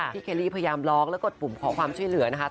เคลลี่พยายามร้องแล้วกดปุ่มขอความช่วยเหลือนะคะ